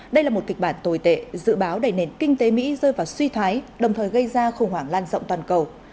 đây là một kịch bản tồi tệ dự báo để nền kinh tế mỹ rơi vào suy thoái đồng thời gây ra khủng hoảng lan rộng toàn cầu